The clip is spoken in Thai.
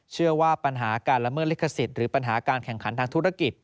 เชื่อว่าปัญหาการละเมิดลิขสิทธิ์หรือปัญหาการแข่งขันทางธุรกิจ